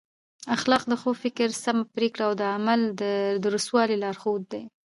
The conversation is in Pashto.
اخلاق د ښو فکر، سمه پرېکړه او د عمل د درستوالي لارښود دی.